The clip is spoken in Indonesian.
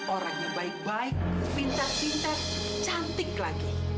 orang yang baik baik pintar pintar cantik lagi